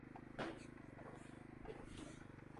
Su historia se remonta a la prehistoria.